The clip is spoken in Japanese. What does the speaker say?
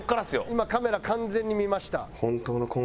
今カメラ完全に見ました。